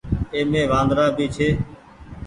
اي مي وآندرآ ڀي ڇي۔